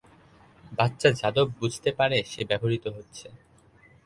বাচ্চা যাদব বুঝতে পারে সে ব্যবহৃত হচ্ছে।